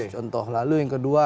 contoh lalu yang kedua